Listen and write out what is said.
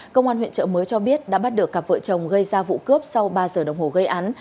công an huyện trợ mới cho biết đã bắt được cặp vợ chồng gây ra vụ cướp sau ba giờ đồng hồ gây án